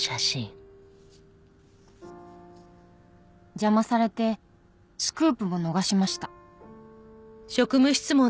「邪魔されてスクープも逃しました」